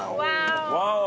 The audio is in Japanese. ワオ！